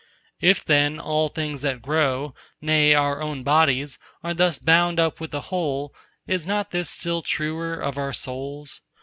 "If then all things that grow, nay, our own bodies, are thus bound up with the whole, is not this still truer of our souls?